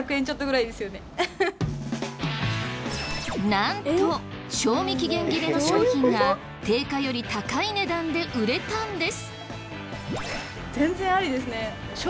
なんと賞味期限切れの商品が定価より高い値段で売れたんです！